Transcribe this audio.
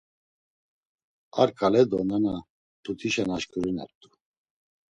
Ar ǩale do nana mtutişen aşǩurinert̆u.